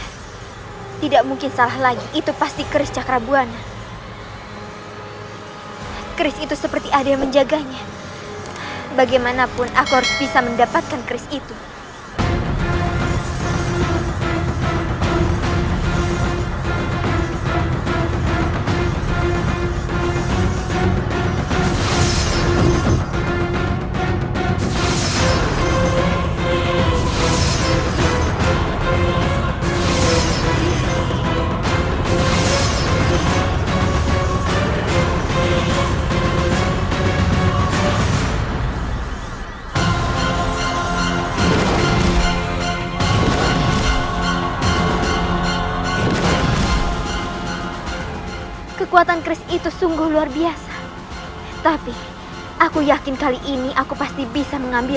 hai hai hai teman temanku orang addictive disini ya tapi aku yakin kali ini aku pasti bisa mengambil